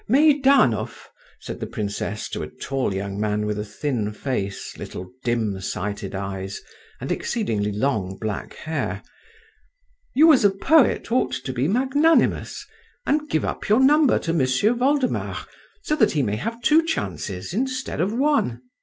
"Meidanov," said the princess to a tall young man with a thin face, little dim sighted eyes, and exceedingly long black hair, "you as a poet ought to be magnanimous, and give up your number to M'sieu Voldemar so that he may have two chances instead of one."